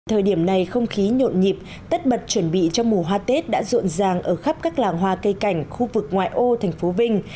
thời điểm này không khí nhộn nhịp tất bật chuẩn bị cho mùa hoa tết đã rộn ràng ở khắp các làng hoa cây cảnh khu vực ngoại ô tp vinh